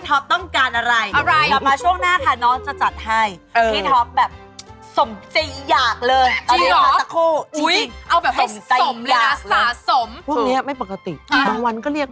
จะไม่มีเลยมีแต่ผมทำอื่น